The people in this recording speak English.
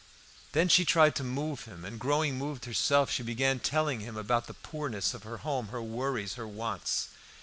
Then she tried to move him, and, growing moved herself, she began telling him about the poorness of her home, her worries, her wants.